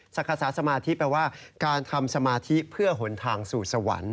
ศักดิ์คศาสมาธิแปลว่าการทำสมาธิเพื่อหนทางสู่สวรรค์